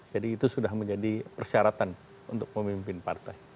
itu sudah menjadi persyaratan untuk memimpin partai